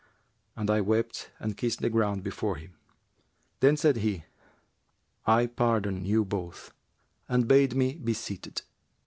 And I wept and kissed the ground before him. Then said he, 'I pardon you both,' and bade me be seated.